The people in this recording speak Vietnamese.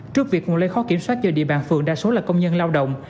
trước việc nguồn lây khó kiểm soát do địa bàn phường đa số là công nhân lao động